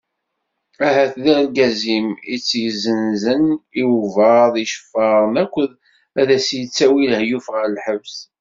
Ahat d argaz-im i tt-yezzenzen i wabɛaḍ iceffaren akken ad as-yettawi lahyuf ɣer lḥebs.